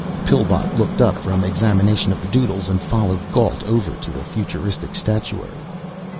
Pillbot looked up from examination of the "doodles" and followed Gault over to the futuristic statuary.